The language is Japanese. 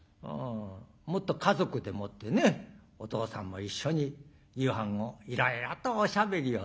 もっと家族でもってねお父さんも一緒に夕飯をいろいろとおしゃべりをする。